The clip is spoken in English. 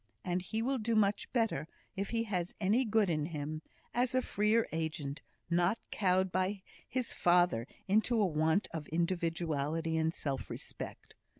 And he will do much better, if he has any good in him, as a freer agent, not cowed by his father into a want of individuality and self respect.